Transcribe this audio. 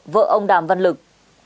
vợ ông đàm văn lực